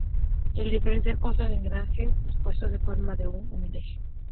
El diferencial consta de engranajes dispuestos en forma de "U" en el eje.